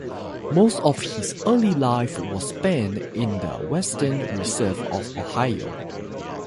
Most of his early life was spent in the Western Reserve of Ohio.